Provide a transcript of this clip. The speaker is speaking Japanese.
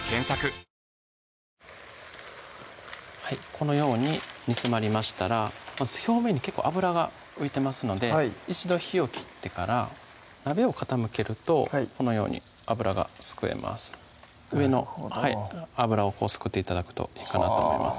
このように煮詰まりましたらまず表面に結構脂が浮いてますので一度火を切ってから鍋を傾けるとこのように脂がすくえます上の脂をすくって頂くといいかなと思います